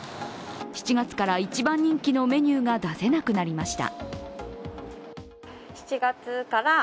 ７月から一番人気のメニューが出せなくなりました。